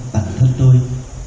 bản thân tôi